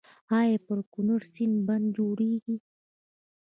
آیا پر کنړ سیند بند جوړیږي؟